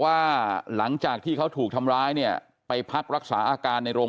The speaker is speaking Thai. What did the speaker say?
ว่าหลังจากที่เขาถูกทำร้ายเนี่ยไปพักรักษาอาการในโรง